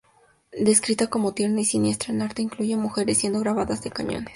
Descrita como tierna y siniestra, su arte incluye mujeres siendo grabadas de cañones.